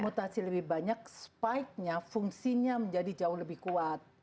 mutasi lebih banyak spikenya fungsinya menjadi jauh lebih kuat